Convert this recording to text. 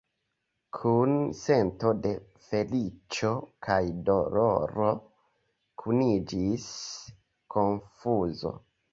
Kun sento de feliĉo kaj doloro kuniĝis konfuzo.